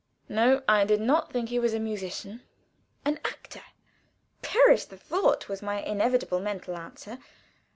No I did not think he was a musician. An actor? Perish the thought, was my inevitable mental answer.